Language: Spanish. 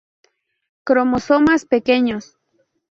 Cromosomas ‘pequeños’.